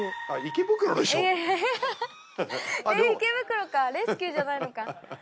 池袋かレスキューじゃないのか